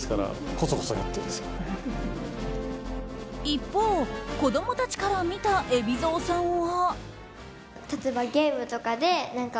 一方、子供たちから見た海老蔵さんは。